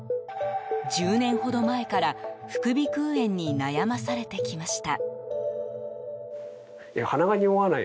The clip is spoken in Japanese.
１０年ほど前から副鼻腔炎に悩まされてきました。